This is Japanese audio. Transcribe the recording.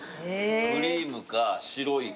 クリームか白いか。